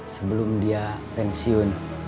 sebelum dia pensiun